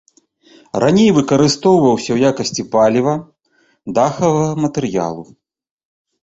Раней выкарыстоўваўся ў якасці паліва, дахавага матэрыялу.